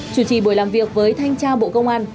chủ trì buổi làm việc với thanh tra bộ công an